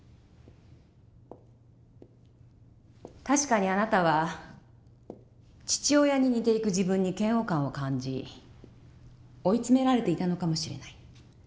確かにあなたは父親に似ていく自分に嫌悪感を感じ追い詰められていたのかもしれない。